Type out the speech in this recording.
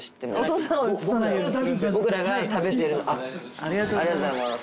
ありがとうございます！